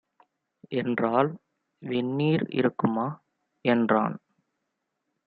என்றாள். "வெந்நீர் இருக்குமா" என்றான்.